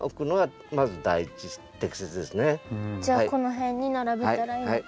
じゃあこの辺に並べたらいい。